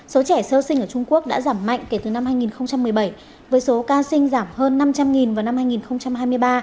số trẻ sơ sinh ở trung quốc đã giảm mạnh kể từ năm hai nghìn một mươi bảy với số ca sinh giảm hơn năm trăm linh vào năm hai nghìn hai mươi ba